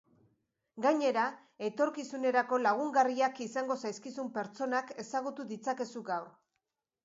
Gainera, etorkizunerako lagungarriak izango zaizkizun pertsonak ezagutu ditzakezu gaur.